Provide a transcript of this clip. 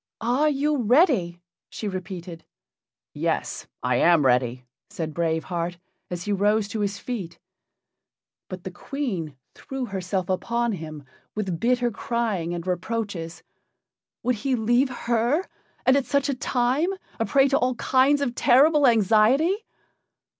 "Are you ready?" she repeated. "Yes, I am ready!" said Brave Heart, as he rose to his feet. But the Queen threw herself upon him, with bitter crying and reproaches. Would he leave her, and at such a time, a prey to all kinds of terrible anxiety?